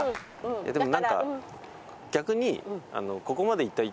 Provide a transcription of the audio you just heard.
でも何か逆に。